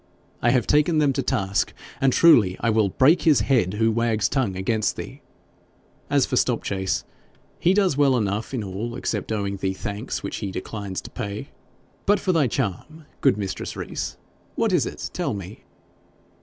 I have taken them to task, and truly I will break his head who wags tongue against thee. As for Stopchase, he does well enough in all except owing thee thanks which he declines to pay. But for thy charm, good mistress Rees, what is it tell me